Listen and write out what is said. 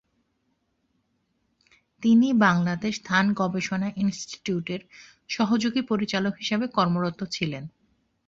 তিনি বাংলাদেশ ধান গবেষণা ইন্সটিটিউটের "সহযোগী পরিচালক" হিসাবে কর্মরত ছিলেন।